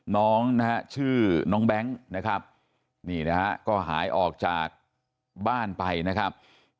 น้องนะฮะชื่อน้องแบงค์นะครับนี่นะฮะก็หายออกจากบ้านไปนะครับ